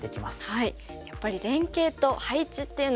はい。